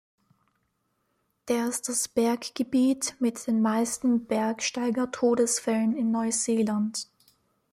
Der ist das Berggebiet mit den meisten Bergsteiger-Todesfällen in Neuseeland.